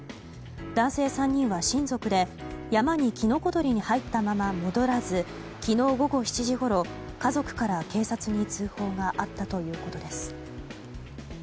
男性３人は親族で、山にキノコ採りに入ったまま戻らず昨日午後７時ごろ家族から警察に通報があったということです。